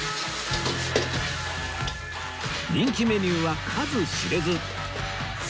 人気メニューは数知れず